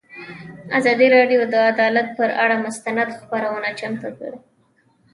ازادي راډیو د عدالت پر اړه مستند خپرونه چمتو کړې.